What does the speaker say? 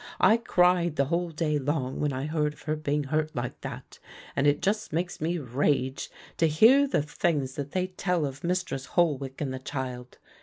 I cried the whole day long when I heard of her being hurt like that, and it just makes me rage to hear the things that they tell of Mistress Holwick and the child.